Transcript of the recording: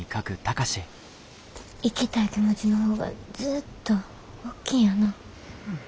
行きたい気持ちの方がずっとおっきいんやな。